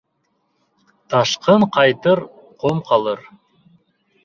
Ташҡын ҡайтыр, ҡом ҡалыр.